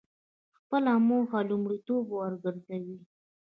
خپله موخه لومړیتوب وګرځوئ.